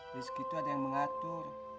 rizki itu ada yang mengatur